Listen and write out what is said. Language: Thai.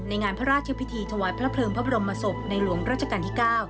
งานพระราชพิธีถวายพระเพลิงพระบรมศพในหลวงราชการที่๙